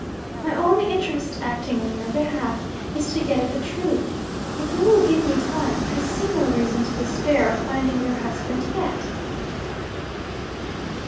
My only interest, acting on your behalf, is to get at the truth. If you will give me time, I see no reason to despair of finding your husband yet.'